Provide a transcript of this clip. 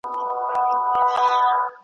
نه مي هوږه خوړلی ده او نه یې له بویه بېرېږم .